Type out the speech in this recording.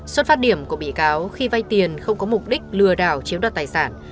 xuất phát điểm của bị cáo khi vay tiền không có mục đích lừa đảo chiếm đoạt tài sản